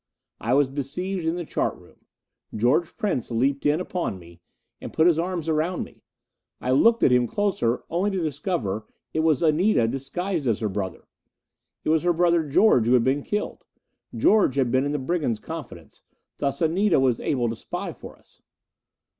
I was besieged in the chart room. George Prince leaped in upon me and put his arms around me. I looked at him closer only to discover it was Anita, disguised as her brother! It was her brother, George, who had been killed! George had been in the brigands' confidence thus Anita was able to spy for us.